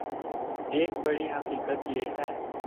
ایک بڑی حقیقت یہ ہے